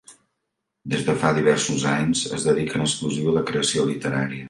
Des de fa diversos anys es dedica en exclusiva a la creació literària.